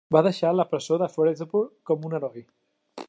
Va deixar la presó de Ferozepur com un heroi.